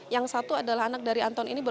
yang satu adalah anak dari anton ini